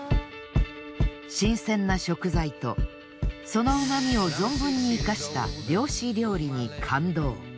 新鮮な食材とその旨味を存分に生かした漁師料理に感動。